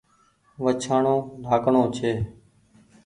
وڇآڻو ناڪڻو ڇي